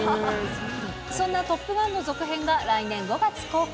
そんなトップガンの続編が、来年５月公開。